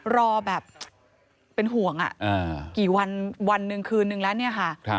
รอแบบเป็นห่วงกี่วันวันหนึ่งคืนนึงแล้วเนี่ยค่ะ